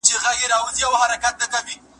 ګاونډیانو به سوداګریزي لاري خلاصولې.